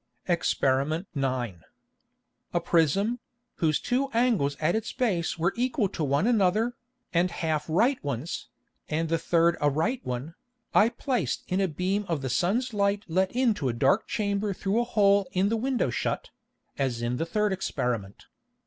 Exper. 9. A Prism, whose two Angles at its Base were equal to one another, and half right ones, and the third a right one, I placed in a Beam of the Sun's Light let into a dark Chamber through a Hole in the Window shut, as in the third Experiment.